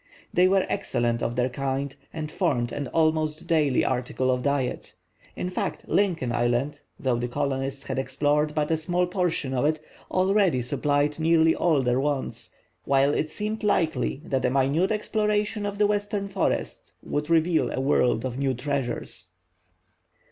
They were excellent of their kind, and formed an almost daily article of diet. In fact, Lincoln Island, though the colonists had explored but a small portion of it, already supplied nearly all their wants, while it seemed likely that a minute exploration of the western forests would reveal a world of new treasures.